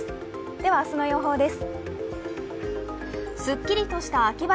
では明日の予報です。